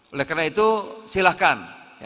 oleh karena itu silahkan